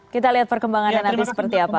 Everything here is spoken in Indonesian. kita lihat perkembangannya nanti seperti apa